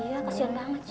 iya kasihan banget ya